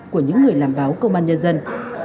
của những người làm báo công an nhân dân